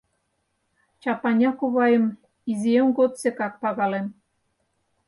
Чапаня кувайым изиэм годсекак пагалем.